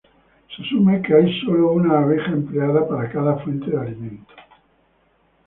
Se asume que hay sólo una abeja empleada para cada fuente de alimento.